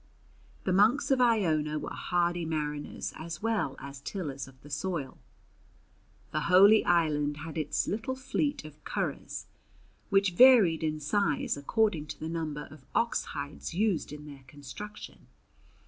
The monks of Iona were hardy mariners as well as tillers of the soil. The holy island had its little fleet of curraghs which varied in size according to the number of ox hides used in their construction.